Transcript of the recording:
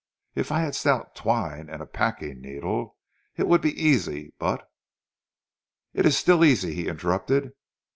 If I had stout twine and a packing needle it would be easy, but " "It is still easy," he interrupted.